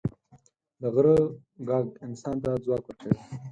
د غره ږغ انسان ته ځواک ورکوي.